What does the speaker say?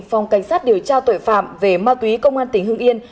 phòng cảnh sát điều trao tội phạm về ma túy công an tỉnh hương yên